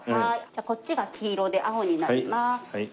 じゃあこっちが黄色で青になります。